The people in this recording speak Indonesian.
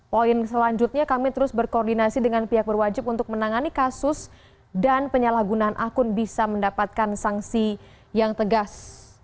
poin selanjutnya kami terus berkoordinasi dengan pihak berwajib untuk menangani kasus dan penyalahgunaan akun bisa mendapatkan sanksi yang tegas